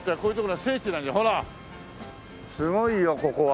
ほらすごいよここは。